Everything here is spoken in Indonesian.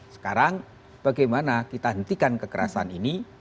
sekarang bagaimana kita hentikan kekerasan ini